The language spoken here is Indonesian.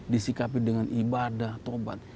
disikapi dengan ibadah tohbat